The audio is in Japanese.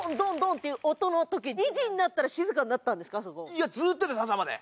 いやずっとです朝まで。